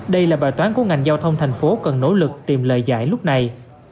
đây là bài toán của ngành giao thông thành phố cần nỗ lực tìm lời giải lúc này